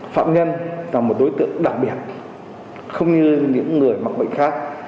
phạm nhân là một đối tượng đặc biệt không như những người mắc bệnh khác